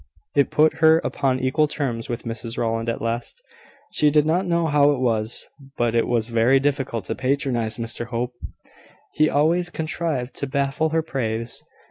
It put her upon equal terms with Mrs Rowland, at last. She did not know how it was, but it was very difficult to patronise Mr Hope. He always contrived to baffle her praise.